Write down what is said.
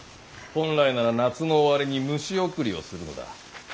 本来なら夏の終わりに虫送りをするのだ。